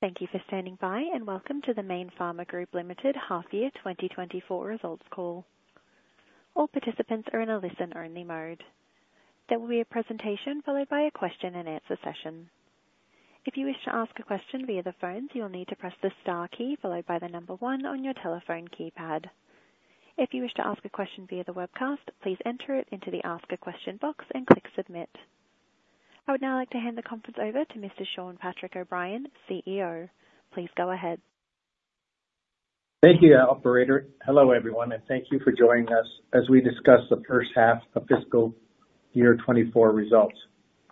Thank you for standing by, and welcome to the Mayne Pharma Group Limited Half Year 2024 Results Call. All participants are in a listen-only mode. There will be a presentation followed by a question-and-answer session. If you wish to ask a question via the phones, you will need to press the star key followed by the number one on your telephone keypad. If you wish to ask a question via the webcast, please enter it into the ask a question box and click submit. I would now like to hand the conference over to Mr. Shawn Patrick O’Brien, CEO. Please go ahead. Thank you, operator. Hello, everyone, and thank you for joining us as we discuss the first half of fiscal year 2024 results.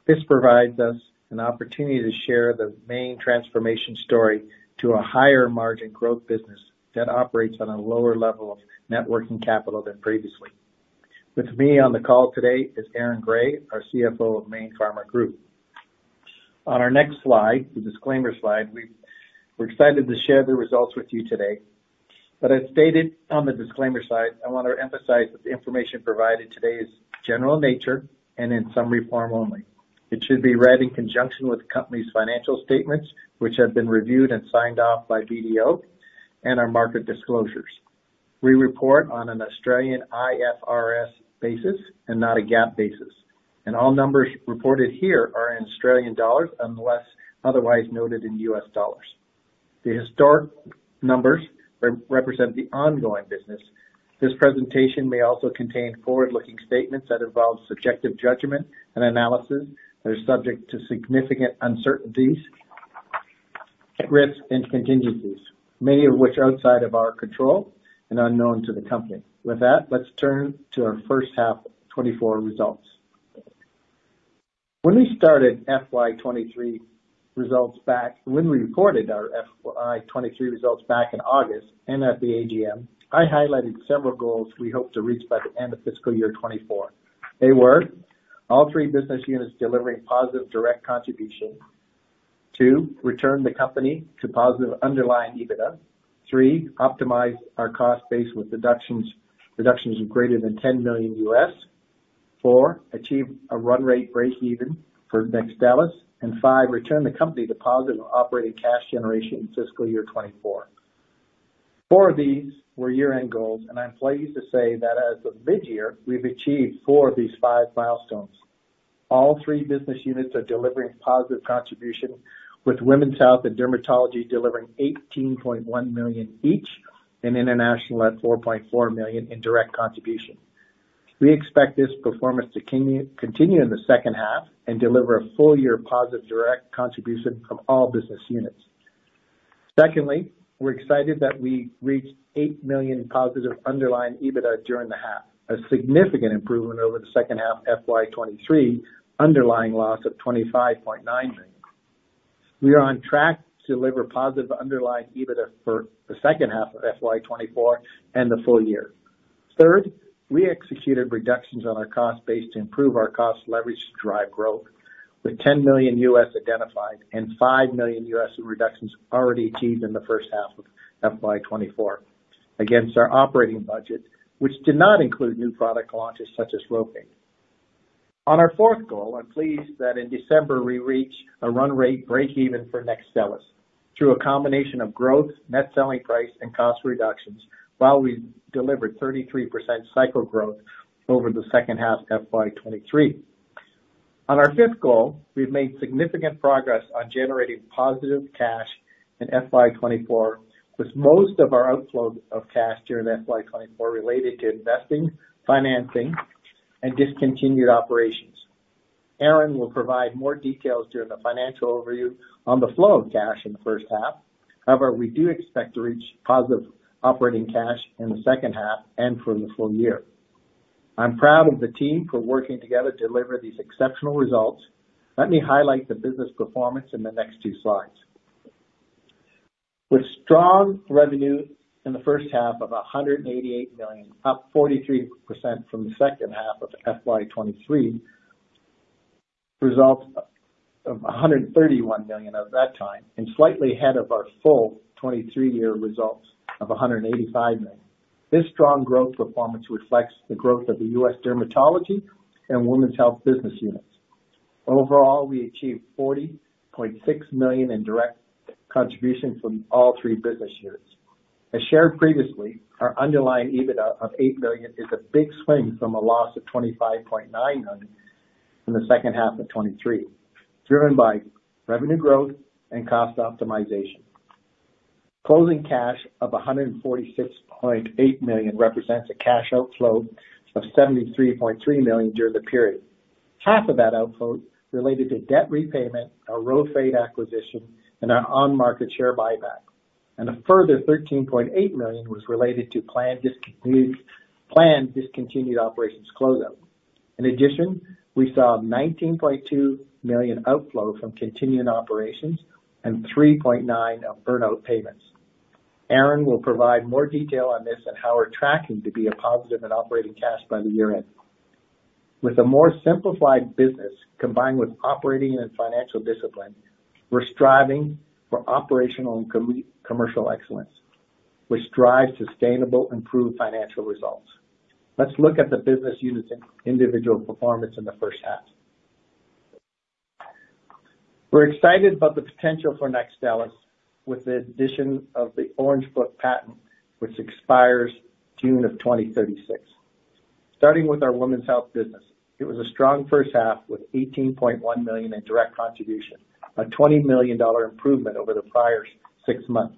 This provides us an opportunity to share the Mayne transformation story to a higher-margin growth business that operates on a lower level of net working capital than previously. With me on the call today is Aaron Gray, our CFO of Mayne Pharma Group. On our next slide, the disclaimer slide, we're excited to share the results with you today, but as stated on the disclaimer slide, I want to emphasize that the information provided today is general nature and in summary form only. It should be read in conjunction with the company's financial statements, which have been reviewed and signed off by BDO and our market disclosures. We report on an Australian IFRS basis and not a GAAP basis, and all numbers reported here are in Australian dollars, unless otherwise noted in US dollars. The historic numbers represent the ongoing business. This presentation may also contain forward-looking statements that involve subjective judgment and analysis that are subject to significant uncertainties, risks, and contingencies, many of which are outside of our control and unknown to the company. With that, let's turn to our first half 2024 results. When we reported our FY 2023 results back in August and at the AGM, I highlighted several goals we hope to reach by the end of fiscal year 2024. They were: all three business units delivering positive direct contribution. Two, return the company to positive underlying EBITDA. Three, optimize our cost base with deductions of greater than $10 million. Four, achieve a run rate break even for NEXTSTELLIS. And five, return the company to positive operating cash generation in fiscal year 2024. Four of these were year-end goals, and I'm pleased to say that as of mid-year, we've achieved four of these five milestones. All three business units are delivering positive contribution, with Women's Health and Dermatology delivering 18.1 million each and international at 4.4 million in direct contribution. We expect this performance to continue, continue in the second half and deliver a full-year positive direct contribution from all business units. Secondly, we're excited that we reached positive underlying EBITDA of AUD 8 million during the half, a significant improvement over the second half of FY 2023, underlying loss of 25.9 million. We are on track to deliver positive underlying EBITDA for the second half of FY 2024 and the full year. Third, we executed reductions on our cost base to improve our cost leverage to drive growth, with $10 million identified and $5 million reductions already achieved in the first half of FY 2024 against our operating budget, which did not include new product launches such as RHOFADE. On our fourth goal, I'm pleased that in December, we reached a run rate break even for NEXTSTELLIS through a combination of growth, net selling price, and cost reductions, while we delivered 33% cycle growth over the second half of FY 2023. On our fifth goal, we've made significant progress on generating positive cash in FY 2024, with most of our outflow of cash during FY 2024 related to investing, financing, and discontinued operations. Aaron will provide more details during the financial overview on the flow of cash in the first half. However, we do expect to reach positive operating cash in the second half and for the full year. I'm proud of the team for working together to deliver these exceptional results. Let me highlight the business performance in the next two slides. With strong revenue in the first half of 188 million, up 43% from the second half of FY 2023, results of 131 million at that time, and slightly ahead of our full 2023 year results of 185 million. This strong growth performance reflects the growth of the U.S. dermatology and Women's Health business units. Overall, we achieved 40.6 million in direct contribution from all three business units. As shared previously, our underlying EBITDA of 8 million is a big swing from a loss of 25.9 million in the second half of 2023, driven by revenue growth and cost optimization. Closing cash of 146.8 million represents a cash outflow of 73.3 million during the period. Half of that outflow related to debt repayment, our RHOFADE acquisition, and our on-market share buyback, and a further 13.8 million was related to planned discontinued operations closeout. In addition, we saw 19.2 million outflow from continuing operations and 3.9 million of burnout payments. Aaron will provide more detail on this and how we're tracking to be a positive in operating cash by the year-end. With a more simplified business, combined with operating and financial discipline, we're striving for operational and commercial excellence.... which drives sustainable, improved financial results. Let's look at the business unit's individual performance in the first half. We're excited about the potential for NEXTSTELLIS, with the addition of the Orange Book patent, which expires June of 2036. Starting with our Women's Health business, it was a strong first half with $18.1 million in direct contribution, a $20 million improvement over the prior six months.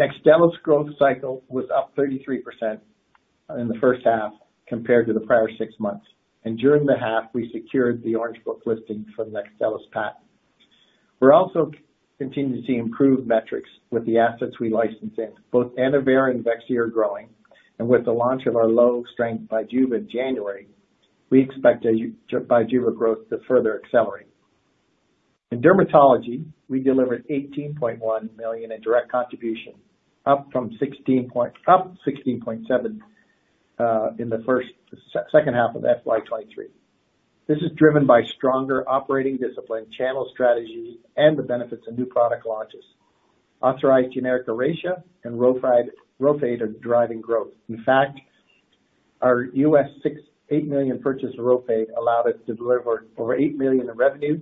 NEXTSTELLIS growth cycle was up 33% in the first half compared to the prior six months, and during the half, we secured the Orange Book listing for the NEXTSTELLIS patent. We're also continuing to see improved metrics with the assets we licensed in. Both ANNOVERA and IMVEXXY are growing, and with the launch of our low-strength BIJUVA in January, we expect a BIJUVA growth to further accelerate. In dermatology, we delivered $18.1 million in direct contribution, up from $16.7 million in the second half of FY 2023. This is driven by stronger operating discipline, channel strategies, and the benefits of new product launches. Authorized generic Oracea and RHOFADE are driving growth. In fact, our U.S. $8 million purchase of RHOFADE allowed us to deliver over $8 million in revenue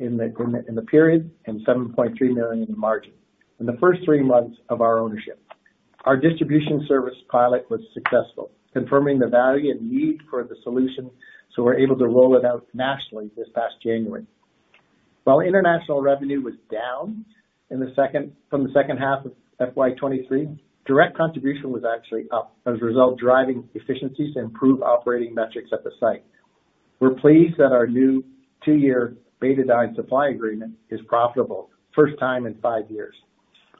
in the period and $7.3 million in margin. In the first three months of our ownership, our distribution service pilot was successful, confirming the value and need for the solution, so we're able to roll it out nationally this past January. While international revenue was down in the second half of FY 2023, direct contribution was actually up as a result of driving efficiencies to improve operating metrics at the site. We're pleased that our new two-year Betadine supply agreement is profitable, first time in five years.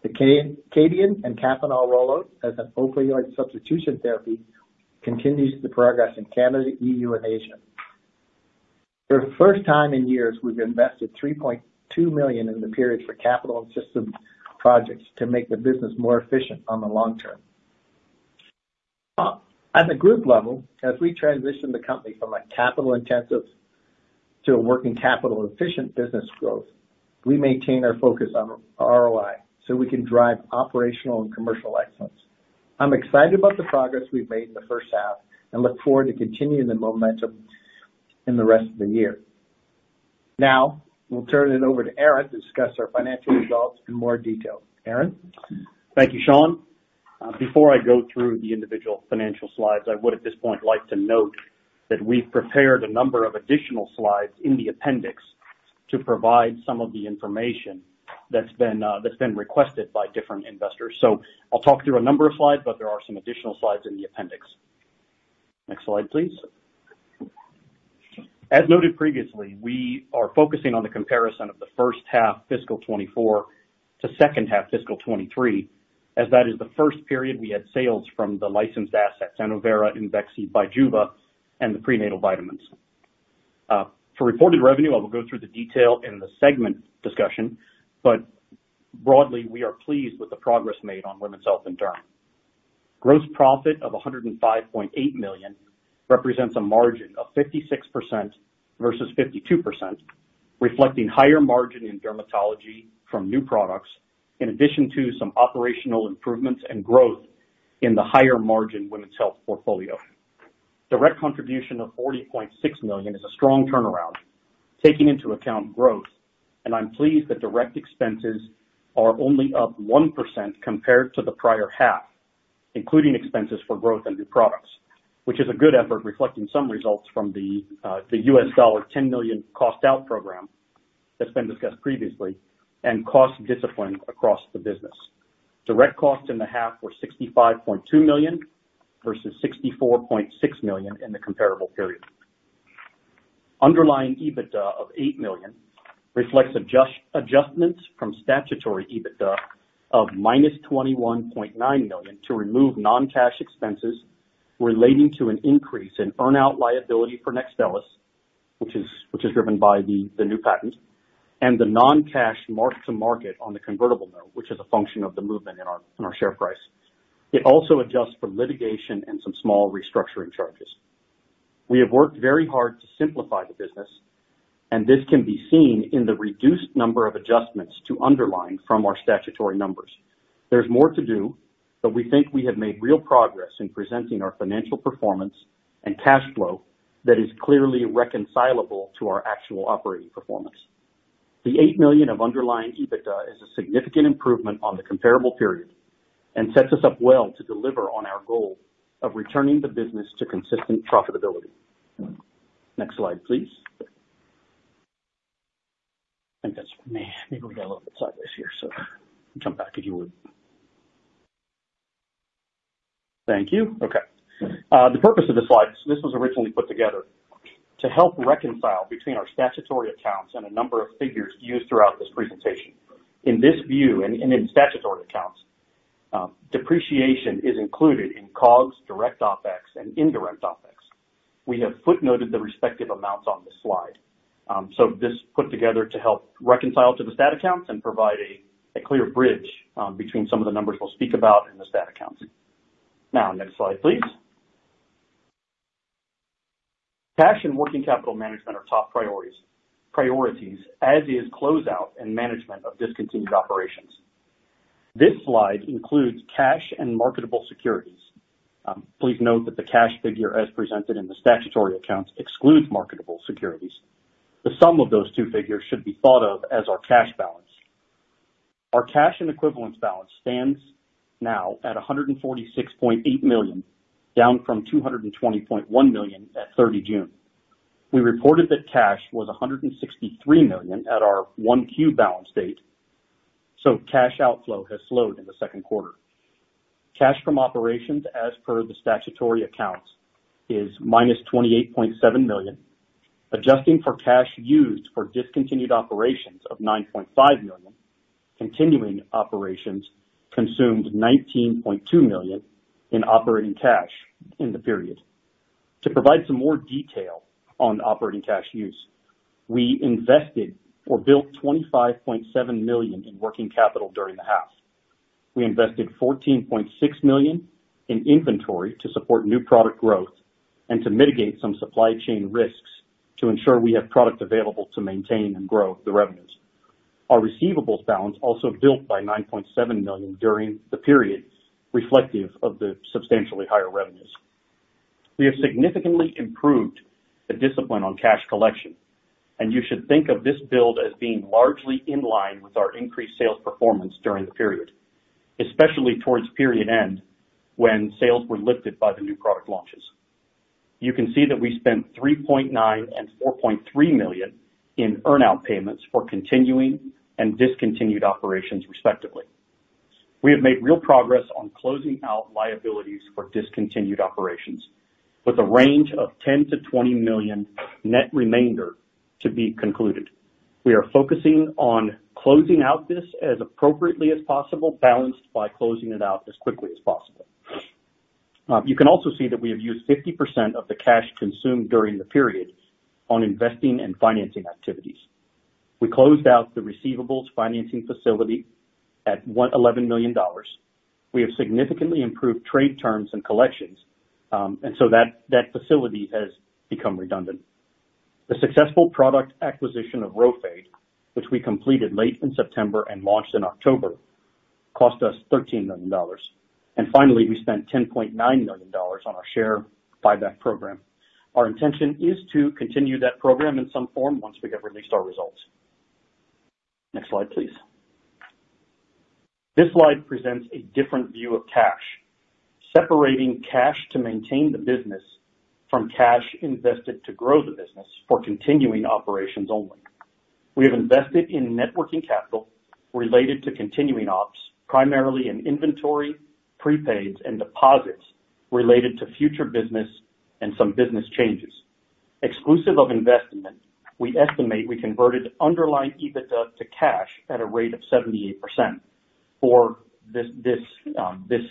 The KADIAN and KAPANOL rollouts as an opioid substitution therapy continues the progress in Canada, EU, and Asia. For the first time in years, we've invested 3.2 million in the period for capital and system projects to make the business more efficient on the long term. At the group level, as we transition the company from a capital-intensive to a working capital-efficient business growth, we maintain our focus on ROI, so we can drive operational and commercial excellence. I'm excited about the progress we've made in the first half and look forward to continuing the momentum in the rest of the year. Now, we'll turn it over to Aaron to discuss our financial results in more detail. Aaron? Thank you, Shawn. Before I go through the individual financial slides, I would, at this point, like to note that we've prepared a number of additional slides in the appendix to provide some of the information that's been, that's been requested by different investors. So I'll talk through a number of slides, but there are some additional slides in the Appendix. Next slide, please. As noted previously, we are focusing on the comparison of the first half fiscal 2024 to second half fiscal 2023, as that is the first period we had sales from the licensed assets, ANNOVERA and IMVEXXY, BIJUVA, and the prenatal vitamins. For reported revenue, I will go through the detail in the segment discussion, but broadly, we are pleased with the progress made on Women's Health and Derm. Gross profit of 105.8 million represents a margin of 56% versus 52%, reflecting higher margin in dermatology from new products, in addition to some operational improvements and growth in the higher-margin Women's Health portfolio. Direct contribution of 40.6 million is a strong turnaround, taking into account growth, and I'm pleased that direct expenses are only up 1% compared to the prior half, including expenses for growth and new products. Which is a good effort, reflecting some results from the U.S. $10 million cost out program that's been discussed previously and cost discipline across the business. Direct costs in the half were 65.2 million versus 64.6 million in the comparable period. Underlying EBITDA of 8 million reflects adjustments from statutory EBITDA of -21.9 million to remove non-cash expenses relating to an increase in earn-out liability for NEXTSTELLIS, which is driven by the new patent, and the non-cash mark to market on the convertible note, which is a function of the movement in our share price. It also adjusts for litigation and some small restructuring charges. We have worked very hard to simplify the business, and this can be seen in the reduced number of adjustments to underlying from our statutory numbers. There's more to do, but we think we have made real progress in presenting our financial performance and cash flow that is clearly reconcilable to our actual operating performance. The 8 million of underlying EBITDA is a significant improvement on the comparable period and sets us up well to deliver on our goal of returning the business to consistent profitability. Next slide, please. I think that's me. Maybe we got a little bit sideways here, so come back, if you would. Thank you. Okay. The purpose of this slide, this was originally put together to help reconcile between our statutory accounts and a number of figures used throughout this presentation. In this view and in statutory accounts, depreciation is included in COGS, direct OpEx, and indirect OpEx. We have footnoted the respective amounts on this slide. So this is put together to help reconcile to the stat accounts and provide a clear bridge between some of the numbers we'll speak about in the stat accounts. Now, next slide, please. Cash and working capital management are top priorities, priorities, as is closeout and management of discontinued operations. This slide includes cash and marketable securities. Please note that the cash figure as presented in the statutory accounts excludes marketable securities. The sum of those two figures should be thought of as our cash balance. Our cash and equivalence balance stands now at 146.8 million, down from 220.1 million at June 30. We reported that cash was 163 million at our 1Q balance date, so cash outflow has slowed in the second quarter. Cash from operations, as per the statutory accounts, is -28.7 million. Adjusting for cash used for discontinued operations of 9.5 million, continuing operations consumed 19.2 million in operating cash in the period. To provide some more detail on operating cash use, we invested or built 25.7 million in working capital during the half. We invested 14.6 million in inventory to support new product growth and to mitigate some supply chain risks to ensure we have product available to maintain and grow the revenues. Our receivables balance also built by 9.7 million during the period, reflective of the substantially higher revenues. We have significantly improved the discipline on cash collection, and you should think of this build as being largely in line with our increased sales performance during the period, especially towards period end, when sales were lifted by the new product launches. You can see that we spent 3.9 million and 4.3 million in earn-out payments for continuing and discontinued operations, respectively. We have made real progress on closing out liabilities for discontinued operations with a range of $10 million-$20 million net remainder to be concluded. We are focusing on closing out this as appropriately as possible, balanced by closing it out as quickly as possible. You can also see that we have used 50% of the cash consumed during the period on investing and financing activities. We closed out the receivables financing facility at $111 million. We have significantly improved trade terms and collections, and so that, that facility has become redundant. The successful product acquisition of RHOFADE, which we completed late in September and launched in October, cost us $13 million. Finally, we spent $10.9 million on our share buyback program. Our intention is to continue that program in some form once we have released our results. Next slide, please. This slide presents a different view of cash, separating cash to maintain the business from cash invested to grow the business for continuing operations only. We have invested in net working capital related to continuing ops, primarily in inventory, prepaids, and deposits related to future business and some business changes. Exclusive of investment, we estimate we converted underlying EBITDA to cash at a rate of 78% for this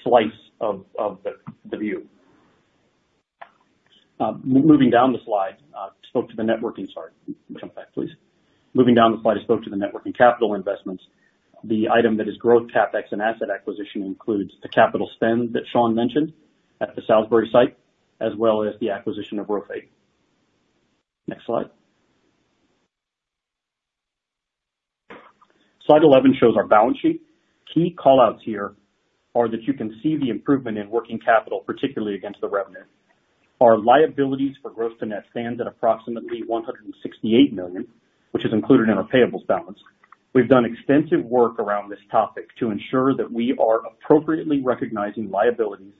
slice of the view. Moving down the slide, I spoke to the net working capital investments. The item that is growth, CapEx, and asset acquisition includes the capital spend that Sean mentioned at the Salisbury site, as well as the acquisition of RHOFADE. Next slide. Slide 11 shows our balance sheet. Key call-outs here are that you can see the improvement in working capital, particularly against the revenue. Our liabilities for gross to net stands at approximately 168 million, which is included in our payables balance. We've done extensive work around this topic to ensure that we are appropriately recognizing liabilities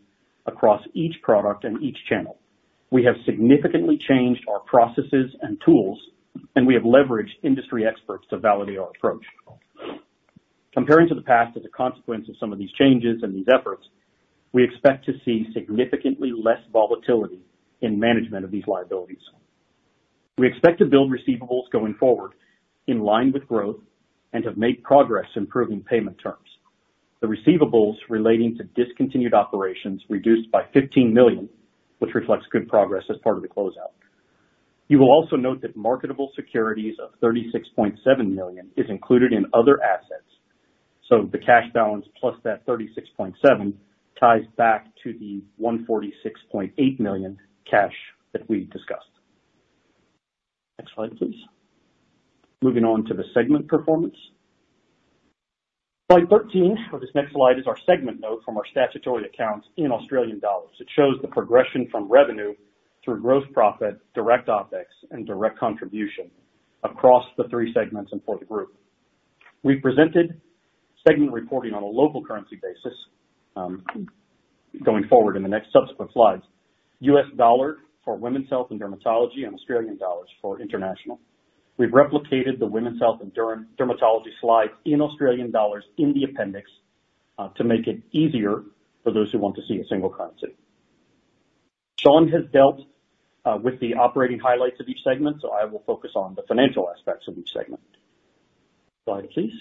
across each product and each channel. We have significantly changed our processes and tools, and we have leveraged industry experts to validate our approach. Comparing to the past, as a consequence of some of these changes and these efforts, we expect to see significantly less volatility in management of these liabilities. We expect to build receivables going forward in line with growth and have made progress improving payment terms. The receivables relating to discontinued operations reduced by 15 million, which reflects good progress as part of the closeout. You will also note that marketable securities of 36.7 million is included in other assets, so the cash balance plus that 36.7 ties back to the 146.8 million cash that we discussed. Next slide, please. Moving on to the segment performance. Slide 13, or this next slide, is our segment note from our statutory accounts in Australian dollars. It shows the progression from revenue through gross profit, direct OpEx, and direct contribution across the three segments and for the group. We presented segment reporting on a local currency basis, going forward in the next subsequent slides. US dollar for Women's Health and Dermatology, and Australian dollars for international. We've replicated the Women's Health and Dermatology slide in Australian dollars in the Appendix, to make it easier for those who want to see a single currency. Sean has dealt with the operating highlights of each segment, so I will focus on the financial aspects of each segment. Slide, please.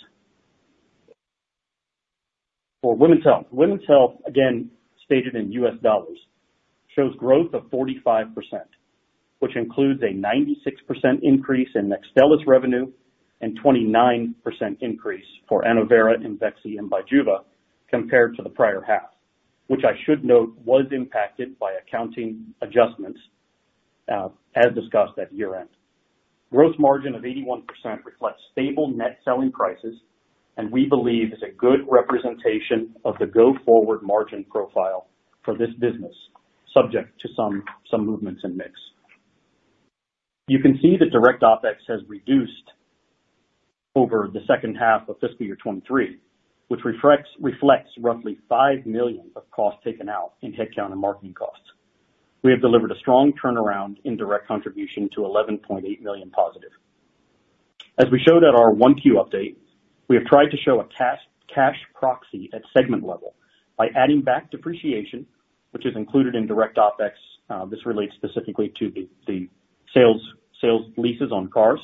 For Women's Health, Women's Health, again, stated in U.S. dollars, shows growth of 45%, which includes a 96% increase in NEXTSTELLIS revenue and 29% increase for ANNOVERA and IMVEXXY and BIJUVA compared to the prior half, which I should note, was impacted by accounting adjustments, as discussed at year-end. Gross margin of 81% reflects stable net selling prices, and we believe is a good representation of the go-forward margin profile for this business, subject to some, some movements in mix. You can see that direct OpEx has reduced over the second half of fiscal year 2023, which reflects roughly $5 million of costs taken out in headcount and marketing costs. We have delivered a strong turnaround in direct contribution to 11.8 million positive. As we showed at our 1Q update, we have tried to show a cash, cash proxy at segment level by adding back depreciation, which is included in direct OpEx. This relates specifically to the, the sales, sales leases on cars.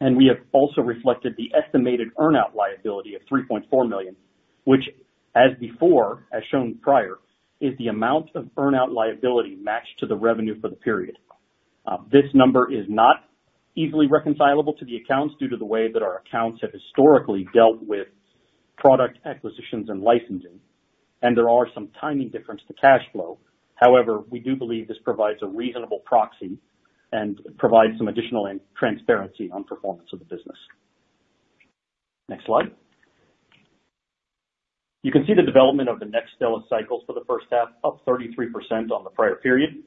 And we have also reflected the estimated earn-out liability of 3.4 million, which, as before, as shown prior, is the amount of earn-out liability matched to the revenue for the period. This number is not easily reconcilable to the accounts due to the way that our accounts have historically dealt with product acquisitions and licensing, and there are some timing difference to cash flow. However, we do believe this provides a reasonable proxy and provides some additional transparency on performance of the business. Next slide. You can see the development of the NEXTSTELLIS cycles for the first half, up 33% on the prior period.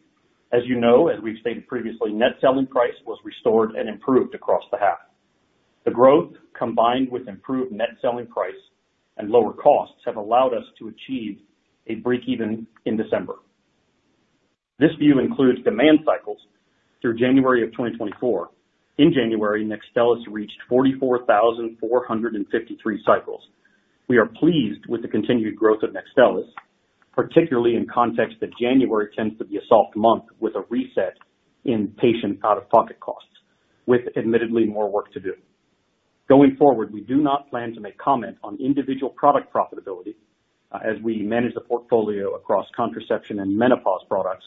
As you know, as we've stated previously, net selling price was restored and improved across the half. The growth, combined with improved net selling price and lower costs, have allowed us to achieve a breakeven in December. This view includes demand cycles through January 2024. In January, NEXTSTELLIS reached 44,453 cycles. We are pleased with the continued growth of NEXTSTELLIS, particularly in context that January tends to be a soft month with a reset in patient out-of-pocket costs, with admittedly more work to do. Going forward, we do not plan to make comment on individual product profitability, as we manage the portfolio across contraception and menopause products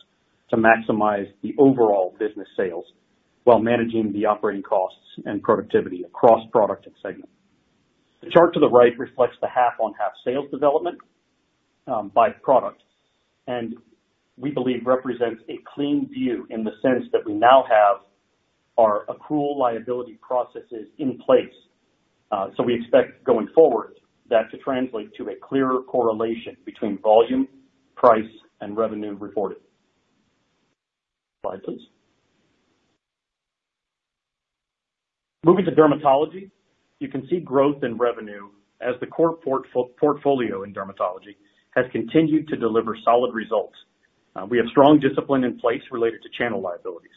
to maximize the overall business sales while managing the operating costs and productivity across product and segment. The chart to the right reflects the half-on-half sales development, by product, and we believe represents a clean view in the sense that we now have our accrual liability processes in place. So we expect, going forward, that to translate to a clearer correlation between volume, price, and revenue reported. Slide, please. Moving to Dermatology, you can see growth in revenue as the core portfolio in Dermatology has continued to deliver solid results. We have strong discipline in place related to channel liabilities.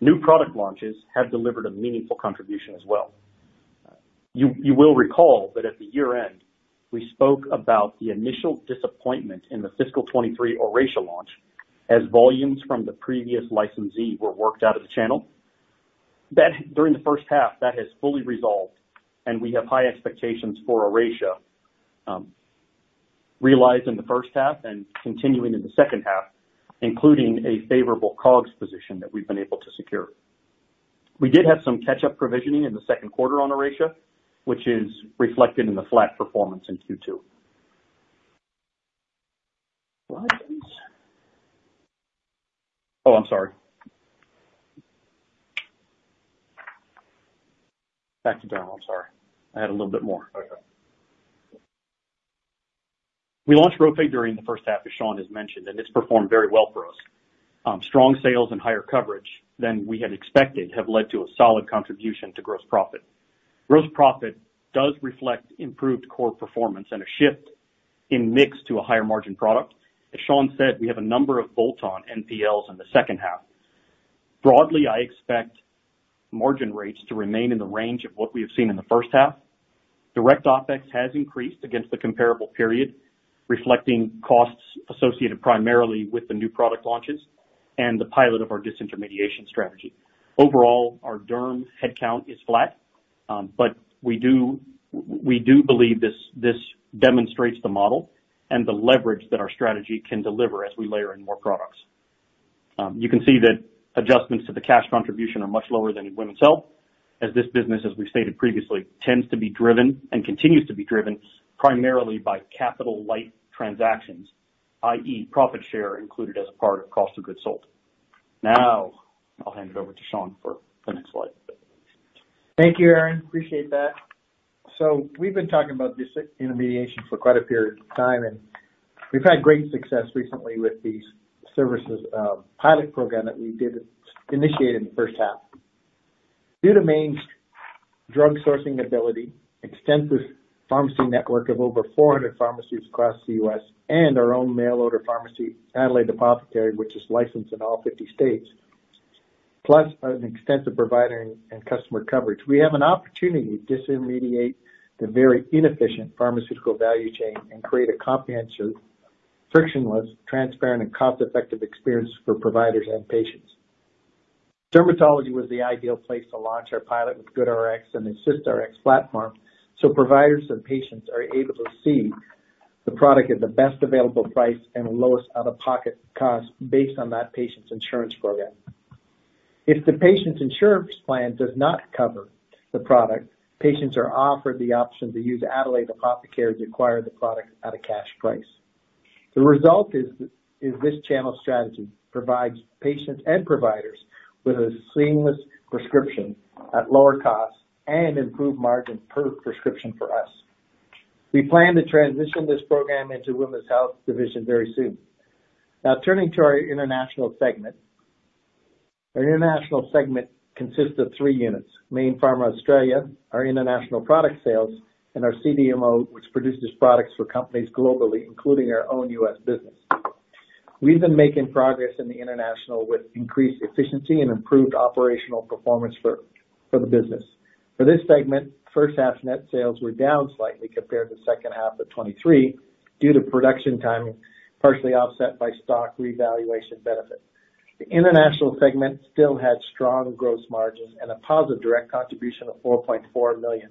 New product launches have delivered a meaningful contribution as well. You will recall that at the year-end, we spoke about the initial disappointment in the fiscal 2023 Oracea launch, as volumes from the previous licensee were worked out of the channel. That, during the first half, that has fully resolved, and we have high expectations for Oracea realized in the first half and continuing in the second half, including a favorable COGS position that we've been able to secure. We did have some catch-up provisioning in the second quarter on Oracea, which is reflected in the flat performance in Q2. Slide, please. Oh, I'm sorry. Back to derm, I'm sorry. I had a little bit more. We launched RHOFADE during the first half, as Sean has mentioned, and it's performed very well for us. Strong sales and higher coverage than we had expected have led to a solid contribution to gross profit. Gross profit does reflect improved core performance and a shift in mix to a higher margin product. As Shawn said, we have a number of bolt-on NPLs in the second half. Broadly, I expect margin rates to remain in the range of what we have seen in the first half. Direct OpEx has increased against the comparable period, reflecting costs associated primarily with the new product launches and the pilot of our disintermediation strategy. Overall, our derm headcount is flat, but we do believe this demonstrates the model and the leverage that our strategy can deliver as we layer in more products. You can see that adjustments to the cash contribution are much lower than in women's health, as this business, as we stated previously, tends to be driven and continues to be driven primarily by capital-light transactions, i.e., profit share included as part of cost of goods sold. Now, I'll hand it over to Shawn for the next slide. Thank you, Aaron. Appreciate that. So we've been talking about disintermediation for quite a period of time, and we've had great success recently with these services, pilot program that we did initiate in the first half. Due to Mayne's drug sourcing ability, extensive pharmacy network of over 400 pharmacies across the U.S. and our own mail order pharmacy, Adelaide Apothecary, which is licensed in all 50 states, plus an extensive provider and, and customer coverage, we have an opportunity to disintermediate the very inefficient pharmaceutical value chain and create a comprehensive, frictionless, transparent, and cost-effective experience for providers and patients. Dermatology was the ideal place to launch our pilot with GoodRx and the AssistRx platform, so providers and patients are able to see the product at the best available price and the lowest out-of-pocket cost based on that patient's insurance program. If the patient's insurance plan does not cover the product, patients are offered the option to use Adelaide Apothecary to acquire the product at a cash price. The result is this channel strategy provides patients and providers with a seamless prescription at lower costs and improved margin per prescription for us. We plan to transition this program into Women's Health Division very soon. Now, turning to our international segment. Our international segment consists of three units: Mayne Pharma Australia, our international product sales, and our CDMO, which produces products for companies globally, including our own US business. We've been making progress in the international with increased efficiency and improved operational performance for the business. For this segment, first half net sales were down slightly compared to second half of 2023 due to production timing, partially offset by stock revaluation benefit. The international segment still had strong gross margins and a positive direct contribution of 4.4 million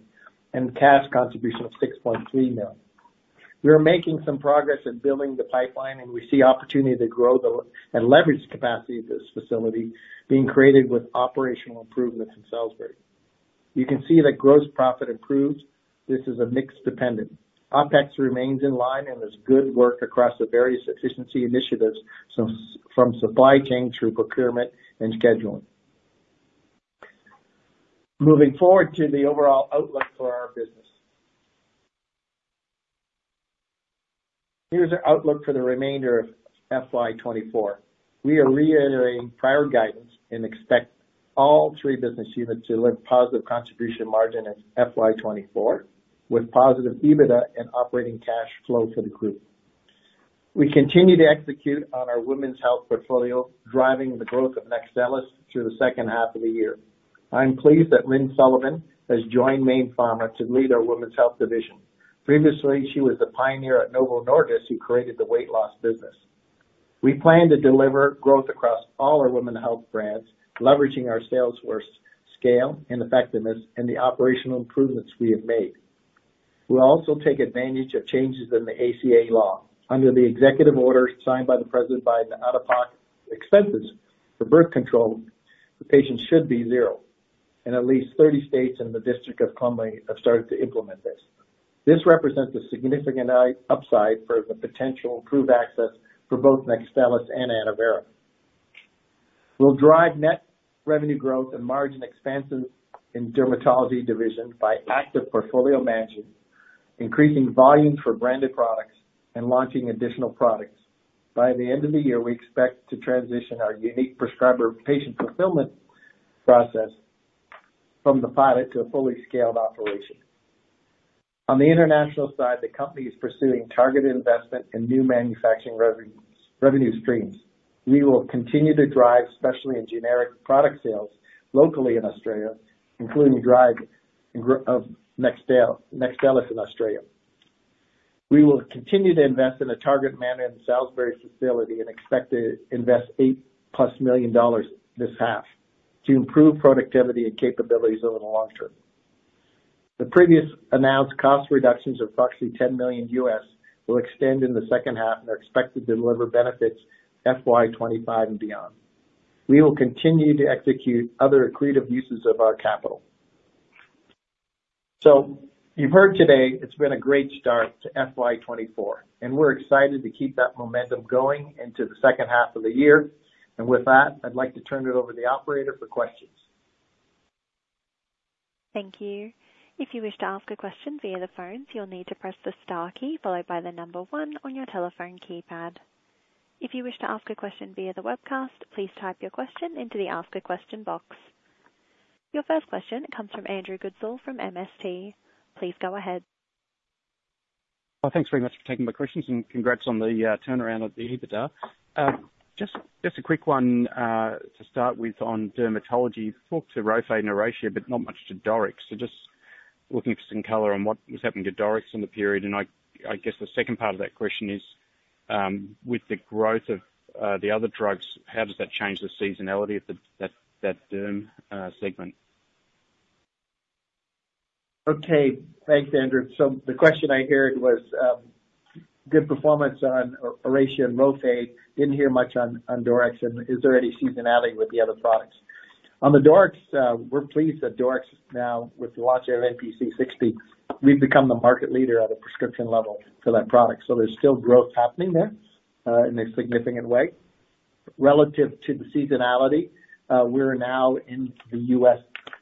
and cash contribution of 6.3 million. We are making some progress in building the pipeline, and we see opportunity to grow the and leverage capacity of this facility being created with operational improvements in Salisbury. You can see that gross profit improves. This is a mixed dependent. OpEx remains in line, and there's good work across the various efficiency initiatives, so from supply chain through procurement and scheduling. Moving forward to the overall outlook for our business. Here's our outlook for the remainder of FY 2024. We are reiterating prior guidance and expect all three business units to deliver positive contribution margin in FY 2024, with positive EBITDA and operating cash flow for the group. We continue to execute on our Women's Health portfolio, driving the growth of NEXTSTELLIS through the second half of the year. I'm pleased that Lynn Sullivan has joined Mayne Pharma to lead our Women's Health Division. Previously, she was a pioneer at Novo Nordisk, who created the weight loss business. We plan to deliver growth across all our women's health brands, leveraging our sales force scale and effectiveness and the operational improvements we have made. We'll also take advantage of changes in the ACA law. Under the executive order signed by the President, the out-of-pocket expenses for birth control should be zero for patients, and at least 30 states and the District of Columbia have started to implement this. This represents a significant upside for the potential improved access for both NEXTSTELLIS and ANNOVERA. We'll drive net revenue growth and margin expansion in Dermatology division by active portfolio management, increasing volumes for branded products and launching additional products. By the end of the year, we expect to transition our unique prescriber patient fulfillment process from the pilot to a fully scaled operation. On the international side, the company is pursuing targeted investment in new manufacturing revenue streams. We will continue to drive, especially in generic product sales locally in Australia, including the drive of NEXTSTELLIS in Australia. We will continue to invest in a targeted manner in the Salisbury facility and expect to invest $8+ million this half to improve productivity and capabilities over the long term. The previously announced cost reductions of approximately $10 million will extend in the second half and are expected to deliver benefits FY 2025 and beyond. We will continue to execute other accretive uses of our capital. You've heard today it's been a great start to FY 2024, and we're excited to keep that momentum going into the second half of the year. With that, I'd like to turn it over to the operator for questions. Thank you. If you wish to ask a question via the phones, you'll need to press the star key followed by the number one on your telephone keypad. If you wish to ask a question via the webcast, please type your question into the Ask a Question box. Your first question comes from Andrew Goodsall from MST. Please go ahead. Well, thanks very much for taking my questions, and congrats on the turnaround of the EBITDA. Just a quick one to start with on dermatology. Talked to RHOFADE and Oracea, but not much to DORYX. So just looking for some color on what was happening to DORYX in the period. And I guess the second part of that question is, with the growth of the other drugs, how does that change the seasonality of that derm segment? Okay. Thanks, Andrew. So the question I heard was, good performance on Oracea and RHOFADE. Didn't hear much on DORYX, and is there any seasonality with the other products? On the DORYX, we're pleased that DORYX now, with the launch of DORYX MPC, we've become the market leader at a prescription level for that product. So there's still growth happening there, in a significant way. Relative to the seasonality, we're now in the U.S.,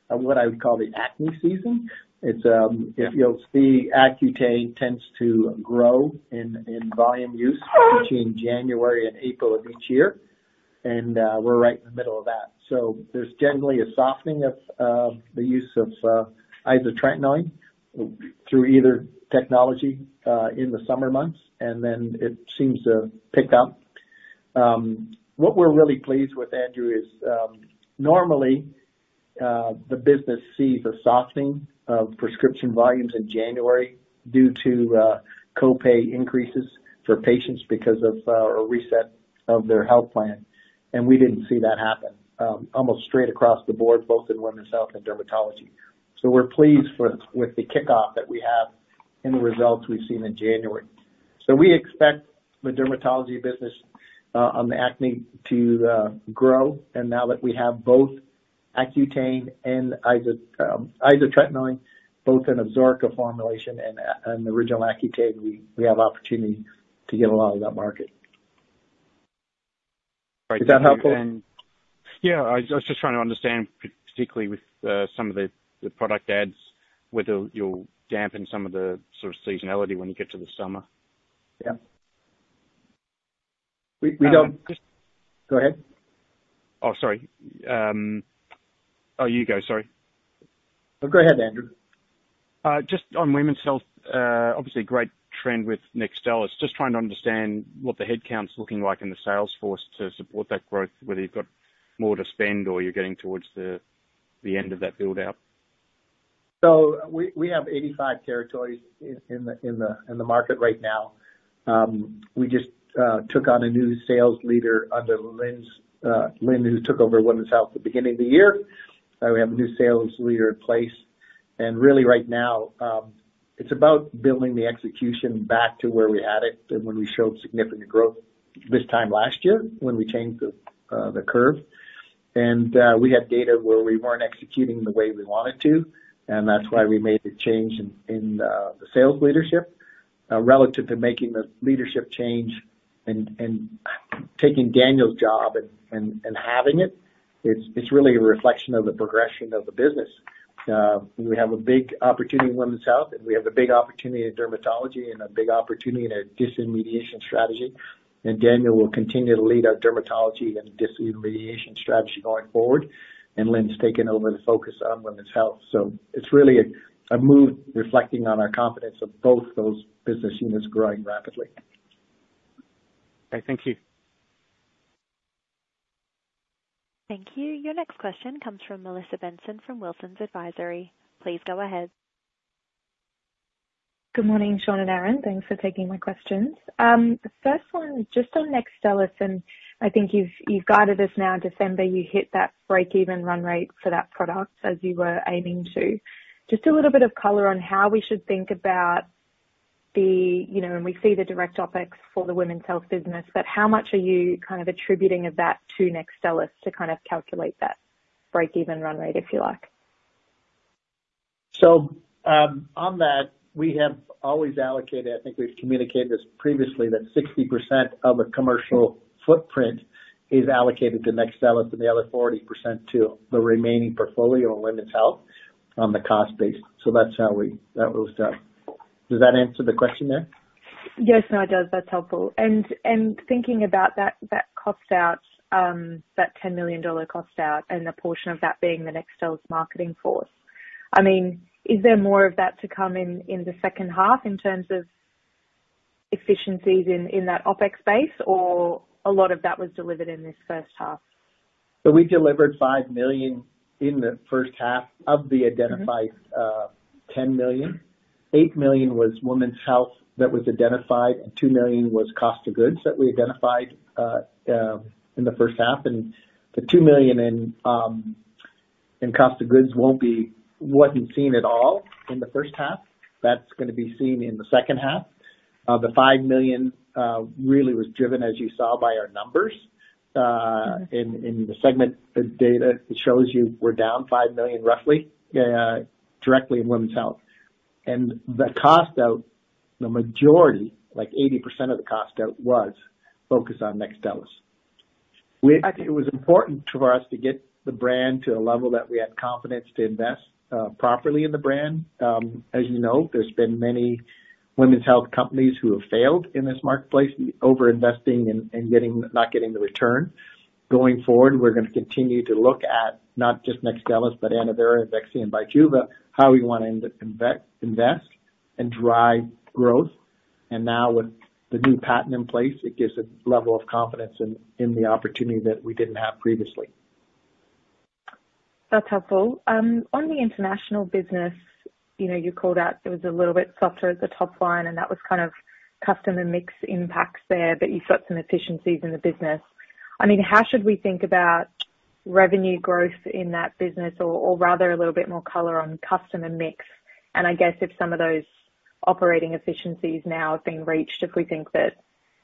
what I would call the acne season. It's- Yeah. You'll see Accutane tends to grow in volume use between January and April of each year, and we're right in the middle of that. So there's generally a softening of the use of isotretinoin through either technology in the summer months, and then it seems to pick up. What we're really pleased with, Andrew, is normally the business sees a softening of prescription volumes in January due to co-pay increases for patients because of a reset of their health plan, and we didn't see that happen almost straight across the board, both in women's health and dermatology. So we're pleased with the kickoff that we have in the results we've seen in January. So we expect the dermatology business on the acne to grow. Now that we have both Accutane and isotretinoin, both in ABSORICA formulation and, and the original Accutane, we, we have opportunity to get a lot of that market. Is that helpful? Yeah, I was just trying to understand, particularly with some of the product ads, whether you'll dampen some of the sort of seasonality when you get to the summer. Yeah. We don't-Go ahead. Oh, sorry. Oh, you go. Sorry. No, go ahead, Andrew. Just on Women's Health, obviously great trend with NEXTSTELLIS. Just trying to understand what the headcount's looking like in the sales force to support that growth, whether you've got more to spend or you're getting towards the end of that build-out. So we have 85 territories in the market right now. We just took on a new sales leader under Lynn, Lynn who took over Women's Health at the beginning of the year. We have a new sales leader in place, and really right now, it's about building the execution back to where we had it and when we showed significant growth this time last year, when we changed the curve. We had data where we weren't executing the way we wanted to, and that's why we made the change in the sales leadership. Relative to making the leadership change and taking Daniel's job and having it, it's really a reflection of the progression of the business. We have a big opporunity in Women's Health, and we have a big opportunity in dermatology and a big opportunity in our disintermediation strategy. Daniel will continue to lead our dermatology and disintermediation strategy going forward. Lynn's taken over the focus on women's health. So it's really a move reflecting on our confidence of both those business units growing rapidly. Okay. Thank you. Thank you. Your next question comes from Melissa Benson, from Wilsons Advisory. Please go ahead. Good morning, Shawn and Aaron. Thanks for taking my questions. The first one, just on NEXTSTELLIS, and I think you've guided us now, in December, you hit that break-even run rate for that product as you were aiming to. Just a little bit of color on how we should think about the... You know, when we see the direct OpEx for the Women's Health business, but how much are you kind of attributing of that to NEXTSTELLIS to kind of calculate that break-even run rate, if you like? So, on that, we have always allocated, I think we've communicated this previously, that 60% of a commercial footprint is allocated to NEXTSTELLIS and the other 40% to the remaining portfolio on Women's Health, on the cost base. So that's how we... Does that answer the question there? Yes, no, it does. That's helpful. And thinking about that cost out, that $10 million cost out, and a portion of that being the NEXTSTELLIS marketing force. I mean, is there more of that to come in the second half in terms of efficiencies in that OpEx base, or a lot of that was delivered in this first half? We delivered $5 million in the first half of the identified $10 million. $8 million was Women's Health that was identified, and $2 million was cost of goods that we identified in the first half. And the $2 million in cost of goods won't be, wasn't seen at all in the first half. That's gonna be seen in the second half. The $5 million really was driven, as you saw by our numbers, in the segment data. It shows you we're down $5 million, roughly, directly in women's health. And the cost out, the majority, like 80% of the cost out, was focused on NEXTSTELLIS. Actually, it was important for us to get the brand to a level that we had confidence to invest properly in the brand. As you know, there's been many Women's Health companies who have failed in this marketplace, overinvesting and not getting the return. Going forward, we're gonna continue to look at not just NEXTSTELLIS, but ANNOVERA and IMVEXXY and BIJUVA, how we want to invest and drive growth. And now with the new patent in place, it gives a level of confidence in the opportunity that we didn't have previously. That's helpful. On the international business, you know, you called out it was a little bit softer at the top line, and that was kind of customer mix impacts there, but you saw some efficiencies in the business. I mean, how should we think about revenue growth in that business? Or, or rather a little bit more color on customer mix, and I guess if some of those operating efficiencies now have been reached, if we think that,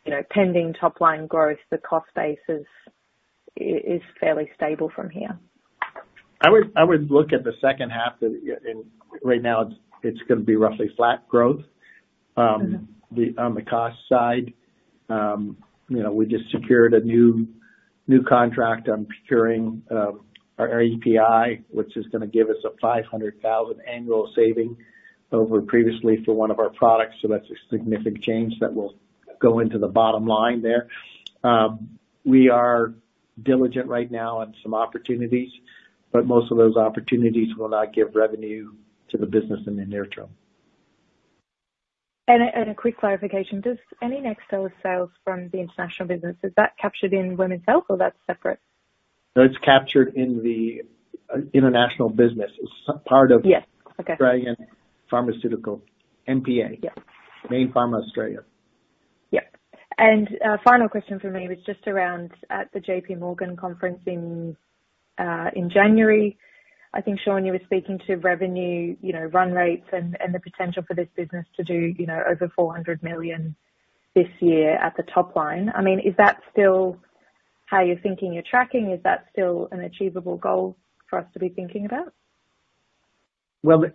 you know, pending top-line growth, the cost base is fairly stable from here. I would look at the second half of the-And right now, it's gonna be roughly flat growth. Mm-hmm. On the cost side, you know, we just secured a new contract on procuring our API, which is gonna give us an 500,000 annual saving over previously for one of our products. So that's a significant change that will go into the bottom line there. We are diligent right now on some opportunities, but most of those opportunities will not give revenue to the business in the near term. A quick clarification: Does any NEXTSTELLIS sales from the international business, is that captured in Women's Health or that's separate? No, it's captured in the international business. It's part of- Yes. Okay. Australian Pharmaceutical, MPA. Yeah. Mayne Pharma Australia. Yep. And, final question for me was just around at the J.P. Morgan conference in January. I think, Shawn, you were speaking to revenue, you know, run rates and the potential for this business to do, you know, over $400 million this year at the top line. I mean, is that still how you're thinking you're tracking? Is that still an achievable goal for us to be thinking about? Well,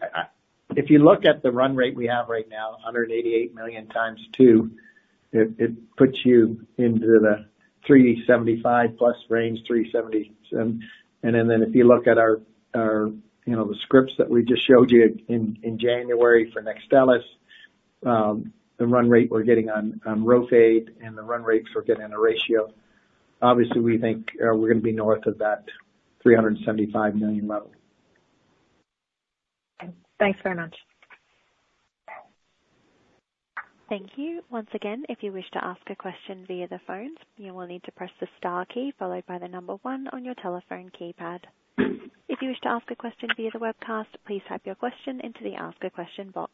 if you look at the run rate we have right now, $188 million x2, it puts you into the $375+ range, $377. And then, if you look at our, you know, the scripts that we just showed you in January for NEXTSTELLIS, the run rate we're getting on RHOFADE and the run rates we're getting on ORACEA, obviously we think, we're gonna be north of that $375 million level. Thanks very much. Thank you. Once again, if you wish to ask a question via the phone, you will need to press the star key followed by the number one on your telephone keypad. If you wish to ask a question via the webcast, please type your question into the Ask a Question box.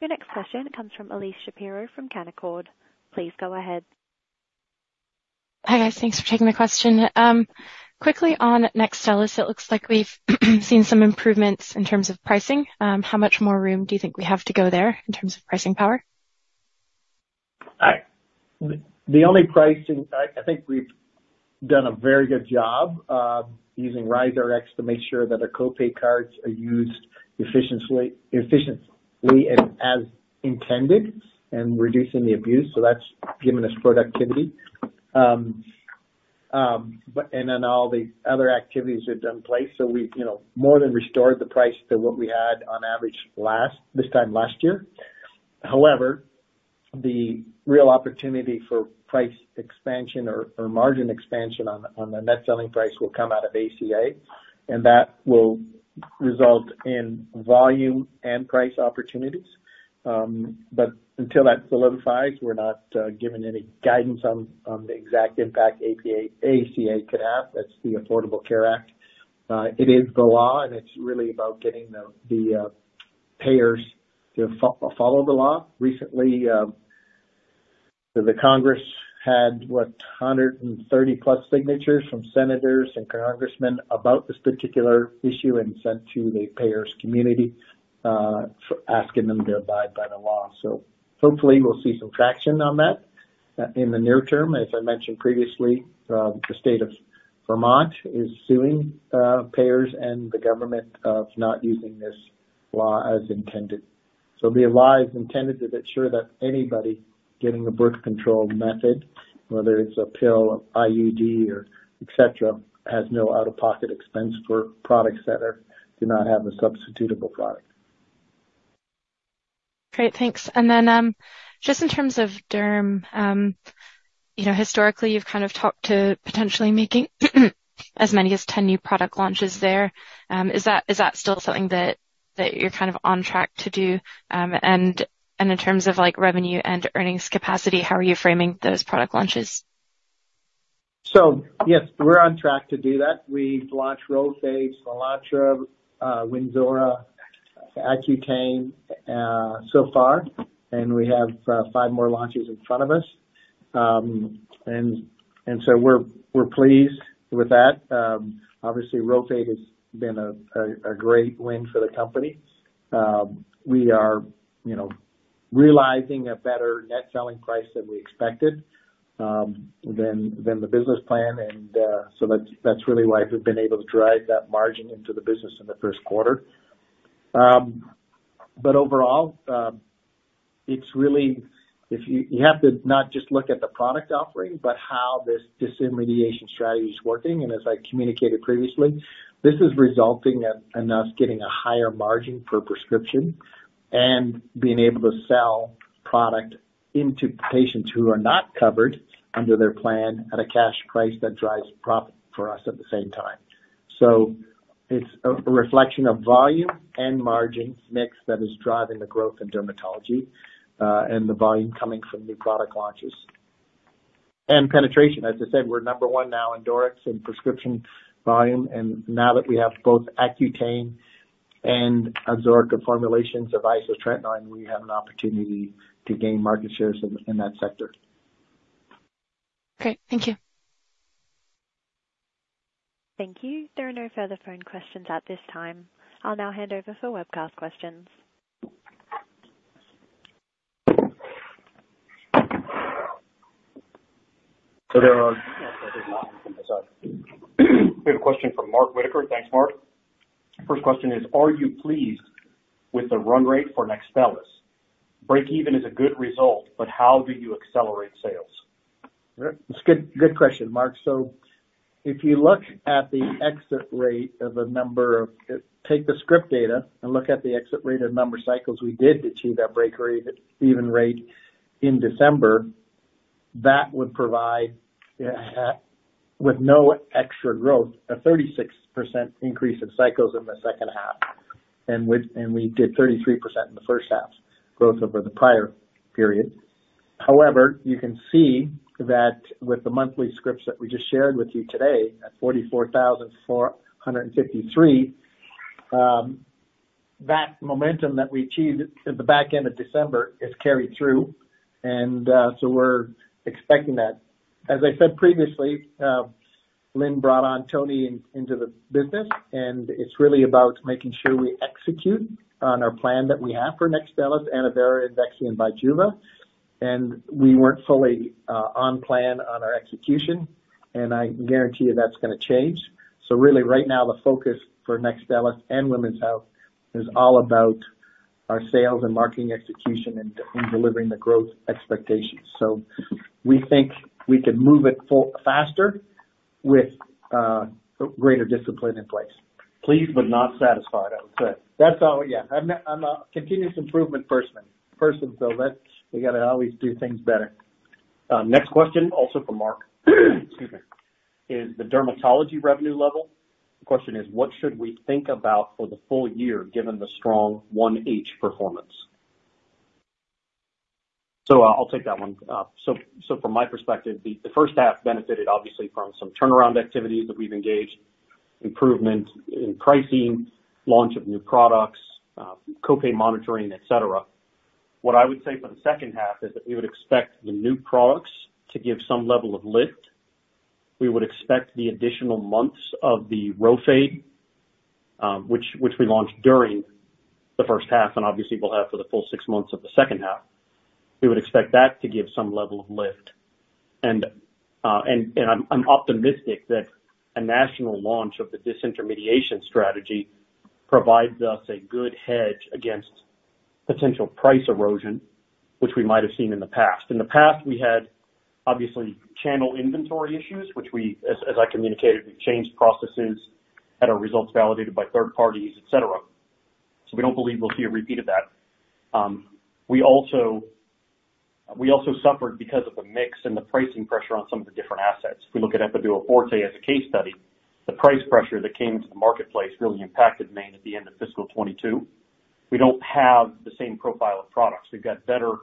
Your next question comes from Elyse Shapiro from Canaccord. Please go ahead. Hi, guys. Thanks for taking my question. Quickly on NEXTSTELLIS, it looks like we've seen some improvements in terms of pricing. How much more room do you think we have to go there in terms of pricing power? The only pricing—I think we've done a very good job using Ryzerx to make sure that our co-pay cards are used efficiently and as intended, and reducing the abuse. So that's given us productivity. But, and then all the other activities we've done in place. So we've, you know, more than restored the price to what we had on average this time last year. However, the real opportunity for price expansion or margin expansion on the net selling price will come out of ACA, and that will result in volume and price opportunities. But until that solidifies, we're not giving any guidance on the exact impact ACA could have. That's the Affordable Care Act. It is the law, and it's really about getting the payers to follow the law. Recently, the Congress had, what? 130+ signatures from senators and congressmen about this particular issue and sent to the payers' community for asking them to abide by the law. So hopefully we'll see some traction on that. In the near term, as I mentioned previously, the state of Vermont is suing payers and the government of not using this law as intended. So the law is intended to ensure that anybody getting a birth control method, whether it's a pill, IUD, or et cetera, has no out-of-pocket expense for products that are, do not have a substitutable product. Great, thanks. And then, just in terms of Derm, you know, historically, you've kind of talked to potentially making as many as 10 new product launches there. Is that, is that still something that, that you're kind of on track to do? And, and in terms of, like, revenue and earnings capacity, how are you framing those product launches? So yes, we're on track to do that. We've launched RHOFADE, SOOLANTRA, WYNZORA, ACCUTANE, so far, and we have five more launches in front of us. And so we're pleased with that. Obviously, RHOFADE has been a great win for the company. We are, you know, realizing a better net selling price than we expected, than the business plan. And so that's really why we've been able to drive that margin into the business in the first quarter. But overall, it's really... If you have to not just look at the product offering, but how this disintermediation strategy is working. And as I communicated previously, this is resulting in us getting a higher margin per prescription and being able to sell product into patients who are not covered under their plan at a cash price that drives profit for us at the same time. So it's a reflection of volume and margin mix that is driving the growth in dermatology, and the volume coming from new product launches. And penetration. As I said, we're number one now in DORYX in prescription volume, and now that we have both ACCUTANE and ABSORICA formulations of isotretinoin, we have an opportunity to gain market shares in that sector. Great. Thank you. Thank you. There are no further phone questions at this time. I'll now hand over for webcast questions. So there are- We have a question from Mark Whitaker. Thanks, Mark. First question is, are you pleased with the run rate for NEXTSTELLIS? Breakeven is a good result, but how do you accelerate sales? It's a good, good question, Mark. So if you look at the exit rate of the number of... Take the script data and look at the exit rate of number cycles, we did achieve that break even, even rate in December. That would provide, with no extra growth, a 36% increase in cycles in the second half, and we did 33% in the first half growth over the prior period. However, you can see that with the monthly scripts that we just shared with you today, at 44,453, that momentum that we achieved at the back end of December has carried through, and, so we're expecting that. As I said previously, Lynn brought on Tony into the business, and it's really about making sure we execute on our plan that we have for NEXTSTELLIS, ANNOVERA, and IMVEXXY, and BIJUVA. And we weren't fully on plan on our execution, and I guarantee you that's gonna change. So really right now, the focus for NEXTSTELLIS and Women's Health is all about our sales and marketing execution and delivering the growth expectations. So we think we can move it forward faster with greater discipline in place. Pleased but not satisfied, I would say. That's how, yeah, I'm a continuous improvement person, so let's, we gotta always do things better. Next question, also from Mark. Excuse me. Is the Dermatology revenue level? The question is: What should we think about for the full year, given the strong 1H performance? I'll take that one. From my perspective, the first half benefited obviously from some turnaround activities that we've engaged, improvement in pricing, launch of new products, copay monitoring, et cetera. What I would say for the second half is that we would expect the new products to give some level of lift. We would expect the additional months of the RHOFADE, which we launched during the first half, and obviously we'll have for the full six months of the second half. We would expect that to give some level of lift. I'm optimistic that a national launch of the disintermediation strategy provides us a good hedge against potential price erosion, which we might have seen in the past. In the past, we had obviously channel inventory issues, which we, as I communicated, we've changed processes, had our results validated by third parties, et cetera. So we don't believe we'll see a repeat of that. We also suffered because of the mix and the pricing pressure on some of the different assets. We look at Epiduo Forte as a case study. The price pressure that came into the marketplace really impacted Mayne at the end of fiscal 2022. We don't have the same profile of products. We've got better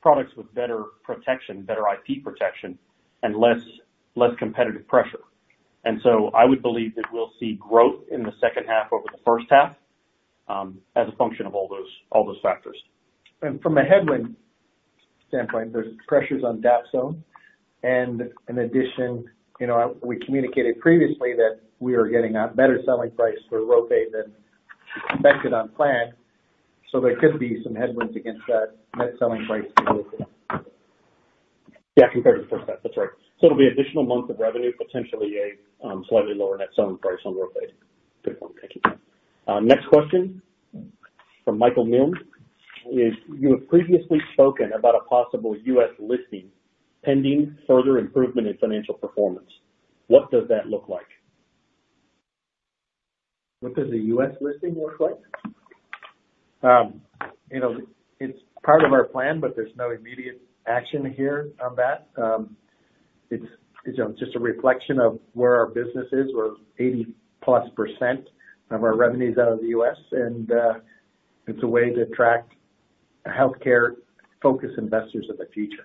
products with better protection, better IP protection, and less competitive pressure. And so I would believe that we'll see growth in the second half over the first half, as a function of all those, all those factors. From a headwind standpoint, there's pressures on Dapsone. In addition, you know, we communicated previously that we are getting a better selling price for RHOFADE than expected on plan, so there could be some headwinds against that net selling price. Yeah, compared to the first half. That's right. So it'll be additional month of revenue, potentially a slightly lower net selling price on RHOFADE. Good one. Thank you. Next question from Michael Mills is: You have previously spoken about a possible U.S. listing, pending further improvement in financial performance. What does that look like? What does a U.S. listing look like? You know, it's part of our plan, but there's no immediate action here on that. It's, you know, just a reflection of where our business is, where 80%+ of our revenue is out of the U.S., and it's a way to attract healthcare-focused investors of the future.